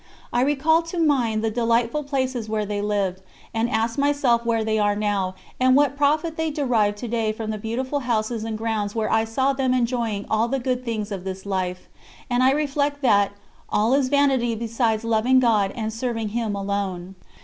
I recall to mind the delightful places where they lived, and ask myself where they are now, and what profit they derive to day from the beautiful houses and grounds where I saw them enjoying all the good things of this life, and I reflect that "All is vanity besides loving God and serving Him alone."